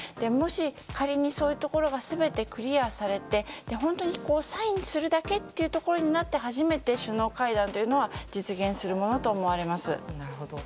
もし仮に、そういうところが全てクリアされて本当にサインするだけということになって初めて首脳会談というのは実現するものと思われます。